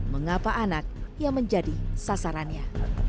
mengapa anak yang menjadi sasarannya